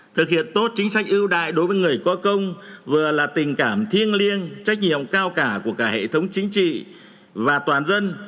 thực hiện tốt chính sách ưu đại đối với người có công vừa là tình cảm thiêng liêng trách nhiệm cao cả của cả hệ thống chính trị và toàn dân